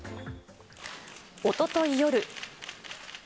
おととい夜。